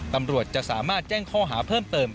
ตำรวจจะสามารถแจ้งข้อหาเพิ่มเติม